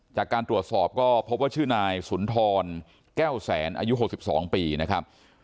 จากการตรวจสอบก็พบว่าชื่อนายสุนทรแก้วแสนอายุ๖๒ปีนะครับ